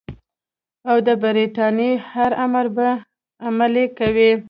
او د برټانیې هر امر به عملي کوي.